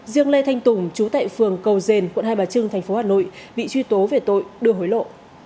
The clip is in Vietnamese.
riêng lê thanh tùng chú tại phường cầu dền quận hai bà trưng tp hà nội bị truy tố về tội đưa hối lộ